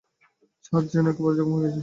ছাত যে একবারে জখম হয়ে যাবে।